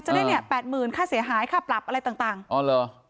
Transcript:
จะได้เนี่ยแปดหมื่นค่าเสียหายค่าปรับอะไรต่างอ๋อเหรอ